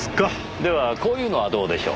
ではこういうのはどうでしょう？